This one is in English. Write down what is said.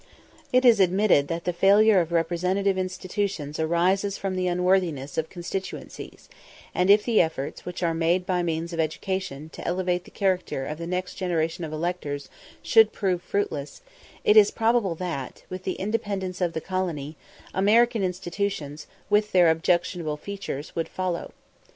It is admitted that the failure of representative institutions arises from the unworthiness of constituencies; and if the efforts which are made by means of education to elevate the character of the next generation of electors should prove fruitless, it is probable that, with the independence of the colony, American institutions, with their objectionable features, would follow.